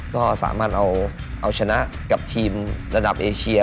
ก็สามารถเอาชนะกับทีมระดับเอเชีย